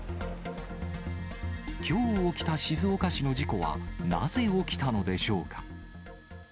きょう起きた静岡市の事故は、なぜ起きたのでしょうか。